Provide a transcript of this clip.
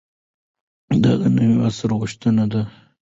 دا د نوي عصر غوښتنه ده.